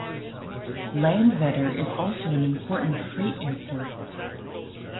Landvetter is also an important freight airport.